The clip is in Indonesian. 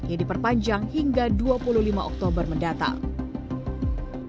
yang diperpanjang hingga dua puluh lima oktober mendatang